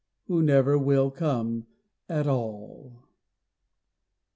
Who never will come at all.